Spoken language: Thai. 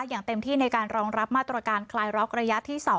อย่างเต็มที่ในการรองรับมาตรการคลายล็อกระยะที่๒